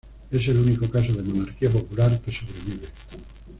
Es el único caso de monarquía popular que sobrevive.